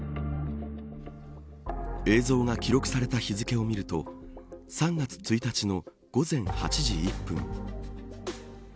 映像が記録された日付を見ると３月１日の午前８時１分。